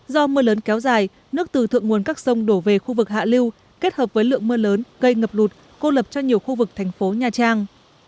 do mưa lớn kéo dài nước từ thượng nguồn các sông đổ về khu vực hạ lưu kết hợp với lượng mưa lớn gây ngập lụt cô lập cho nhiều khu vực thành phố nha trang